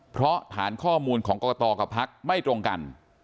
เพราะฐานข้อมูลของกรกตกับพักไม่ตรงกัน